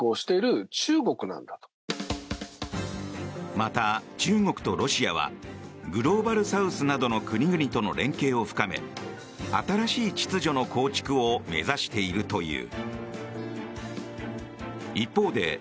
また、中国とロシアはグローバルサウスなどの国々との連携を深め新しい秩序の構築を目指しているという。